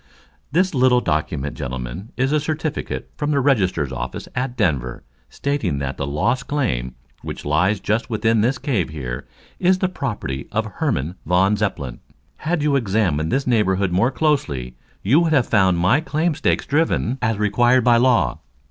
"This little document, gentlemen, is a certificate from the register's office at Denver, stating that the Lost Claim, which lies just within this cave here, is the property of Herman von Zepplin. Had you examined this neighborhood more closely you would have found my claim stakes driven, as required by law.